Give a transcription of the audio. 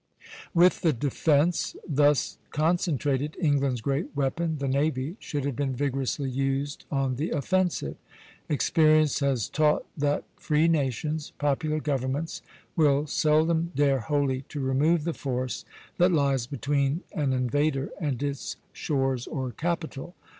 With the defence thus concentrated, England's great weapon, the navy, should have been vigorously used on the offensive. Experience has taught that free nations, popular governments, will seldom dare wholly to remove the force that lies between an invader and its shores or capital.